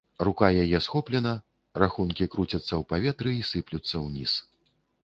Рука яе схоплена, рахункі круцяцца ў паветры і сыплюцца ўніз.